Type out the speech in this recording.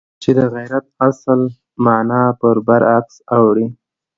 چې د غیرت اصل مانا پر برعکس اوړي.